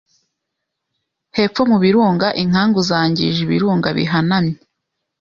hepfo mu birungaInkangu zangije ibirunga bihanamye